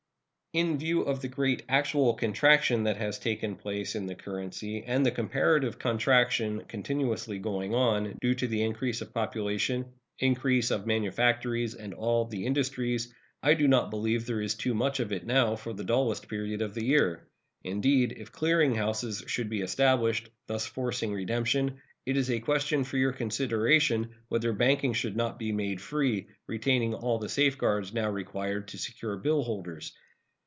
In view of the great actual contraction that has taken place in the currency and the comparative contraction continuously going on, due to the increase of population, increase of manufactories and all the industries, I do not believe there is too much of it now for the dullest period of the year. Indeed, if clearing houses should be established, thus forcing redemption, it is a question for your consideration whether banking should not be made free, retaining all the safeguards now required to secure bill holders.